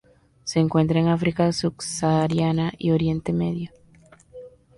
Se encuentra en África subsahariana y Oriente Medio.